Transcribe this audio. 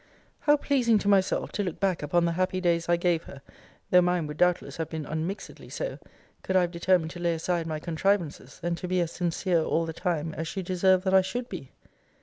How pleasing to myself, to look back upon the happy days I gave her; though mine would doubtless have been unmixedly so, could I have determined to lay aside my contrivances, and to be as sincere all the time, as she deserved that I should be!